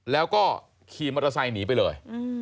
แล้วก็ขี่มอเตอร์ไซค์หนีไปเลย